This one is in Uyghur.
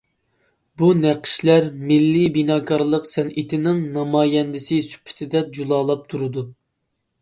بۇ نەقىشلەر مىللىي بىناكارلىق سەنئىتىنىڭ نامايەندىسى سۈپىتىدە جۇلالاپ تۇرىدۇ.